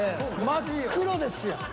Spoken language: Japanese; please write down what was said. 真っ黒ですやん。